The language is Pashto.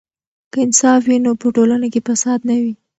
که انصاف وي نو په ټولنه کې فساد نه وي.